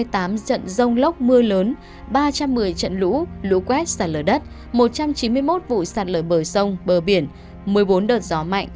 hai trăm năm mươi tám trận rông lốc mưa lớn ba trăm một mươi trận lũ lũ quét sạt lở đất một trăm chín mươi một vụ sạt lở bờ sông bờ biển một mươi bốn đợt gió mạnh